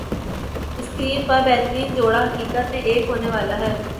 screen پر بہترین جوڑا حقیقت میں ایک ہونے والا ہے